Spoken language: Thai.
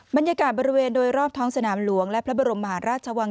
บรรยากาศบริเวณโดยรอบท้องสนามหลวงและพระบรมมหาราชวัง